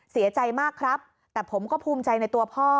เสียใจมากครับแต่ผมก็ภูมิใจในตัวพ่อ